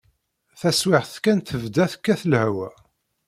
Taswiɛt kan tebda tekkat lehwa.